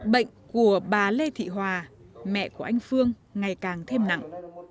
bệnh của bà lê thị hòa mẹ của anh phương ngày càng thêm nặng